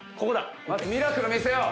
マツミラクル見せよう。